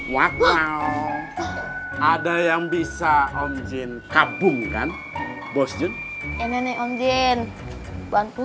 wakau ada yang bisa om jin kabungkan bosnya ini om jin bantu